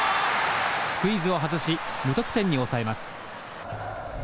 スクイズを外し無得点に抑えます。